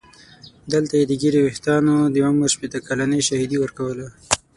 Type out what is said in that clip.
دلته یې د ږیرې ویښتانو د عمر شپېته کلنۍ شاهدي ورکوله.